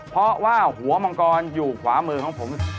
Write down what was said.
เพราะว่าหัวมังกรอยู่ขวามือของผม